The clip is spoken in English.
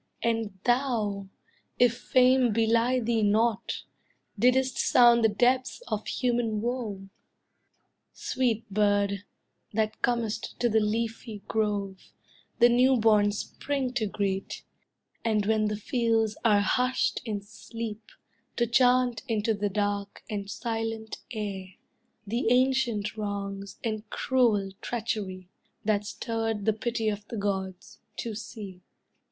And thou, if fame belie thee not, Didst sound the depths of human woe, Sweet bird, that comest to the leafy grove, The new born Spring to greet, And when the fields are hushed in sleep, To chant into the dark and silent air, The ancient wrongs, and cruel treachery, That stirred the pity of the gods, to see.